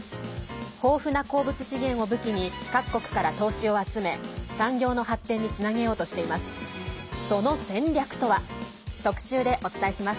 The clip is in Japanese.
豊富な鉱物資源を武器に各国から、投資を集め産業の発展につなげようとしています。